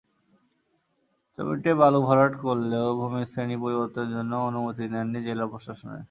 জমিতে বালু ভরাট করলেও ভূমির শ্রেণি পরিবর্তনের জন্য অনুমতি নেননি জেলা প্রশাসনের।